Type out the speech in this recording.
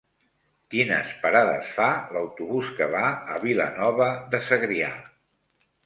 Quines parades fa l'autobús que va a Vilanova de Segrià?